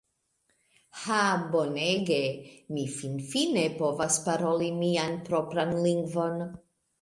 "Ha bonege! Mi finfine povas paroli mian propran lingvon!"